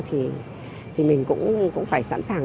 thì mình cũng phải sẵn sàng